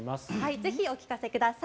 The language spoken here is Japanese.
ぜひお聞かせください。